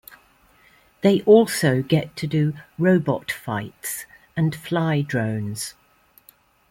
They also get to do "robot fights" and fly drones.